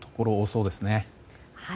そうですね。